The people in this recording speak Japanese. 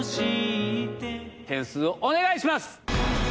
点数をお願いします！